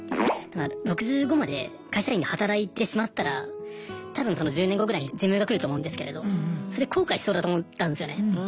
６５まで会社員で働いてしまったら多分その１０年後ぐらいに寿命が来ると思うんですけれどそれで後悔しそうだと思ったんですよね。